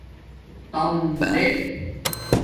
تَام دے